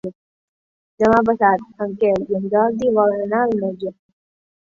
Demà passat en Quel i en Jordi volen anar al metge.